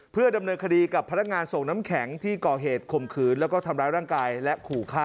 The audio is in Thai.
เพื่อดำเนินคดีกับพนักงานส่งน้ำแข็งที่ก่อเหตุข่มขืนแล้วก็ทำร้ายร่างกายและขู่ฆ่า